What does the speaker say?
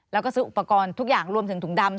แล้วก็ซื้ออุปกรณ์ทุกอย่างรวมถึงถุงดำ